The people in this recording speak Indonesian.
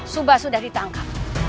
subah sudah ditangkap